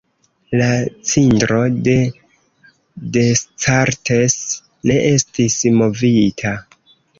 La cindro de Descartes ne estis movita.